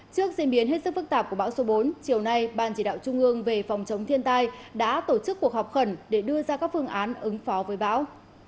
trước diễn biến hết sức phức tạp của bão số bốn chiều nay ban chỉ đạo trung ương về phòng chống thiên tai đã tổ chức cuộc họp khẩn để đưa ra các phương án ứng phó với bão